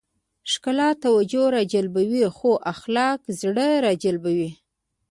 ښکلا توجه راجلبوي خو اخلاق زړه راجلبوي.